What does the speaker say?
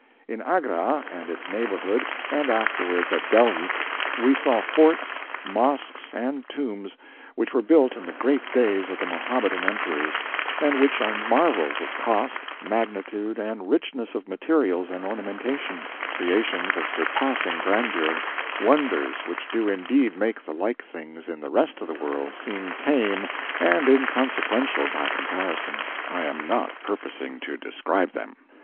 In Agra and its neighborhood, and afterwards at Delhi, we saw forts, mosques, and tombs, which were built in the great days of the Mohammedan emperors, and which are marvels of cost, magnitude, and richness of materials and ornamentation, creations of surpassing grandeur, wonders which do indeed make the like things in the rest of the world seem tame and inconsequential by comparison. I am not purposing to describe them.